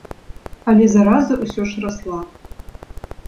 Але зараза ўсё ж расла.